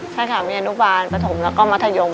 ใช่ค่ะมีอนุบาลปฐมแล้วก็มัธยม